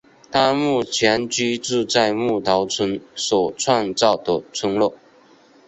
他目前居住在木头村所创造的村落。